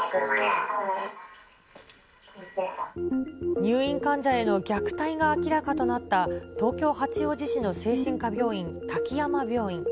入院患者への虐待が明らかとなった東京・八王子市の精神科病院、滝山病院。